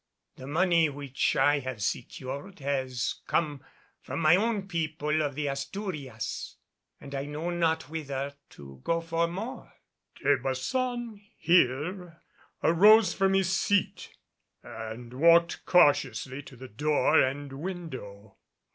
The money which I have secured has come from my own people of the Asturias, and I know not whither to go for more." De Baçan here arose from his seat and walked cautiously to the door and window.